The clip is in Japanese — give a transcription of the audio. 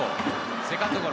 セカンドゴロ。